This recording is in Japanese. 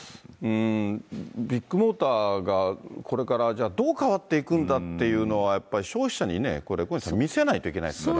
ビッグモーターがこれからじゃあ、どう変わっていくんだっていうのは、やっぱり消費者にね、小西さん、見せないといけないですから。